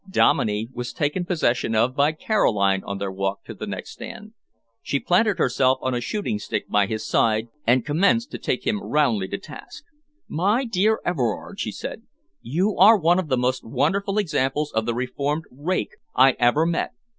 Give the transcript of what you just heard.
Dominey was taken possession of by Caroline on their walk to the next stand. She planted herself on a shooting stick by his side and commenced to take him roundly to task. "My dear Everard," she said, "you are one of the most wonderful examples of the reformed rake I ever met!